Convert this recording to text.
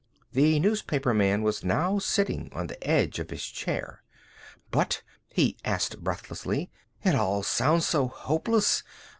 The newspaperman was now sitting on the edge of his chair. "But," he asked breathlessly, "it all sounds so hopeless.